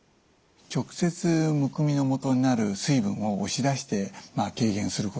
直接むくみのもとになる水分を押し出して軽減すること。